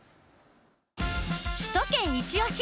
首都圏いちオシ！